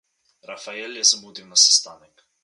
Rafael je zamudil na sestanek.